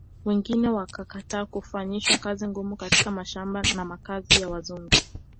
Wengine wakakataa kufanyishwa kazi ngumu katika mashamba na makazi ya Wazungu